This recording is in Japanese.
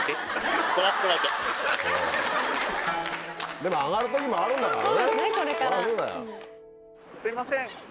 でも上がる時もあるんだからね。